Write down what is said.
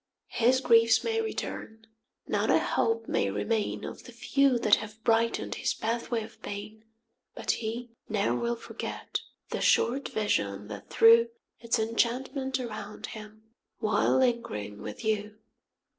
5 His griefs may return, not a hope may remain Of the few that have brighten 'd his pathway of pain, But he ne'er will forget the short vision that threw Its enchantment around him, while lingering with you.